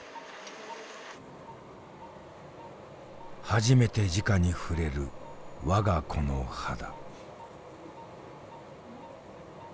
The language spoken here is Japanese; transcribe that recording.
初めてじかに触れる我が子の肌。